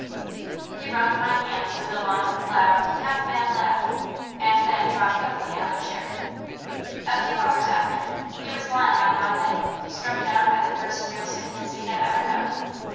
He wrung my hands with a long, loud, half mad laugh; and then dropped heavily on a chair. A few hours after, he was lying on my bed, struck down by the first real sickness he had ever known.